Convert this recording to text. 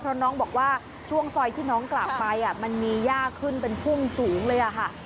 เพราะน้องบอกว่าช่วงซอยที่น้องกลับไปมันมีย่าขึ้นเป็นพุ่งสูงเลยค่ะ